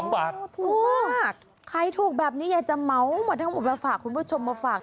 ถูกใครถูกแบบนี้อยากจะเหมาหมดทั้งหมดมาฝากคุณผู้ชมมาฝาก